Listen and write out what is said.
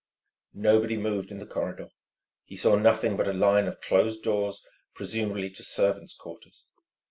Nobody moved in the corridor. He saw nothing but a line of closed doors, presumably to servants' quarters.